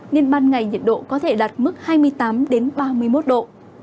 nên ban ngày nhiệt độ có thể đạt mức hai mươi tám ba mươi một độ